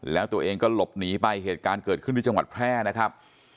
แล้วตัวเองก็หลบหนีไปเหตุการณ์เกิดขึ้นที่จังหวัดแพร่นะครับ